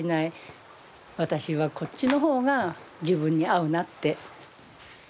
私はこっちの方が自分に合うなって。